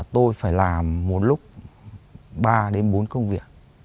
tôi phải làm một lúc ba đến bốn công việc